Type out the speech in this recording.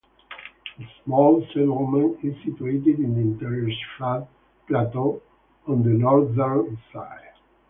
The small settlement is situated in the interior's flat plateau on the northern side.